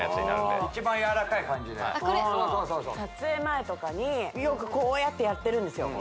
一番やわらかい感じで撮影前とかによくこうやってやってるんですよ